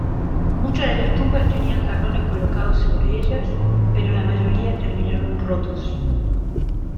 Muchas de las tumbas tenían jarrones colocados sobre ellas, pero la mayoría terminaron rotos.